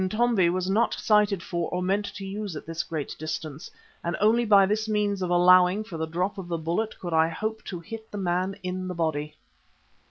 Intombi was not sighted for or meant to use at this great distance, and only by this means of allowing for the drop of the bullet, could I hope to hit the man in the body.